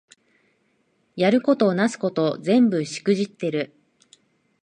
やることなすこと全部しくじってる